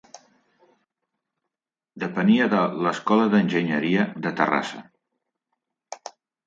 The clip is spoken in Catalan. Depenia de l"Escola d"Enginyeria de Terrassa.